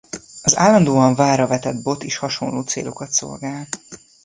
Az állandóan vállra vetett bot is hasonló célokat szolgál.